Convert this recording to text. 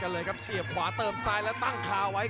เจอสายครับนี่แหละครับเป็นมวยซ้ายจักครับดักจังหวะดี